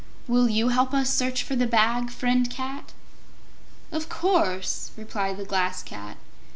Will you help us search for the Black Bag, Friend Cat?" "Of course," replied the Glass Cat.